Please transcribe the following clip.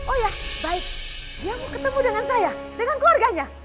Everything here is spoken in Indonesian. oh ya baik dia mau ketemu dengan saya dengan keluarganya